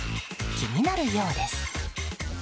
気になるようです。